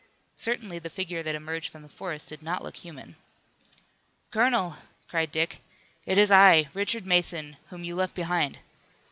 Certainly the figure that emerged from the forest did not look human. "Colonel," cried Dick, "it is I, Richard Mason, whom you left behind!"